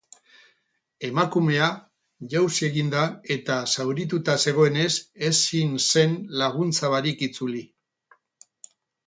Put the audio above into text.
Emakumea jausi egin da eta zaurituta zegoenez ezin zen laguntza barik itzuli.